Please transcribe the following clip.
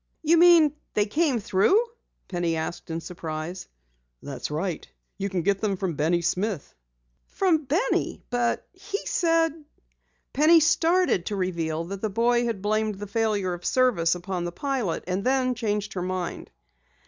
"You mean they came through?" Penny asked in surprise. "That's right. You can get them from Benny Smith." "From Benny? But he said " Penny started to reveal that the boy had blamed the failure of service upon the pilot, and then changed her mind.